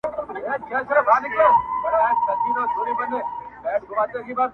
خو کله کله سینګار